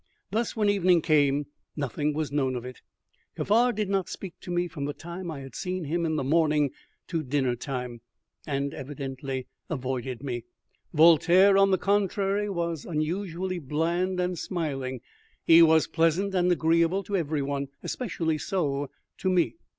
Thus when evening came nothing was known of it. Kaffar did not speak to me from the time I had seen him in the morning to dinner time, and evidently avoided me. Voltaire, on the contrary, was unusually bland and smiling. He was pleasant and agreeable to every one, especially so to me.